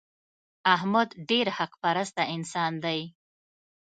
احمد ډېر حق پرسته انسان دی.